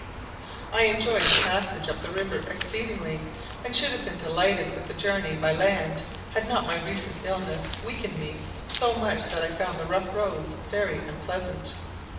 I enjoyed the passage up the river exceedingly, and should have been delighted with the journey by land had not my recent illness weakened me so much that I found the rough roads very unpleasant.